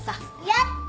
やった。